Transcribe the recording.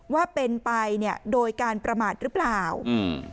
ว่าเป็นไปเนี้ยโดยการประมาทหรือเปล่าอืม